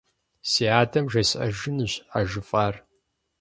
Си адэм жесӏэжынущ а жыфӏар.